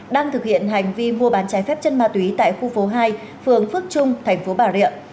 đang thực hiện hành vi mua bán trái phép chân ma túy tại khu phố hai phường phước trung thành phố bà rịa